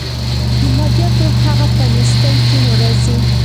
د مادیاتو هغه په نیستۍ کې نه راځي.